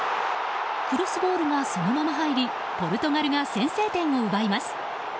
クロスボールがそのまま入りポルトガルが先制点を奪います。